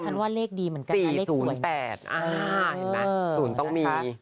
เห็นมั้ย๐ต้องมี